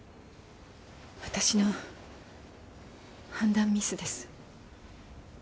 私の判断ミスです。